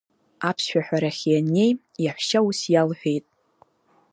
Аԥсшәаҳәарахьы ианнеи, иаҳәшьа ус иалҳәеит…